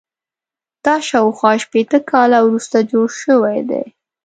دا شاوخوا شپېته کاله وروسته جوړ شوی دی.